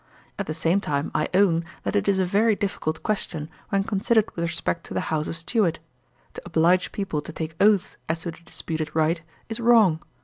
At the same time I own, that it is a very difficult question, when considered with respect to the house of Stuart. To oblige people to take oaths as to the disputed right, is wrong.